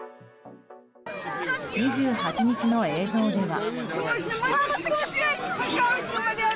２８日の映像では。